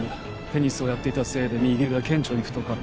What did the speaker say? テニスをやっていたせいで右腕が顕著に太かった。